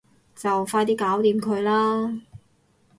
就快啲搞掂佢啦